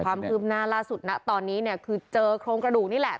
ความคืบหน้าล่าสุดนะตอนนี้เนี่ยคือเจอโครงกระดูกนี่แหละ